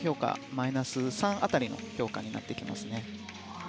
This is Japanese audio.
マイナス３辺りの評価になってきますね。